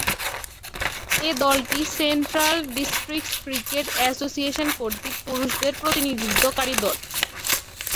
এ দলটি central districts cricket association কর্তৃক পুরুষদের প্রতিনিধিত্বকারী দল।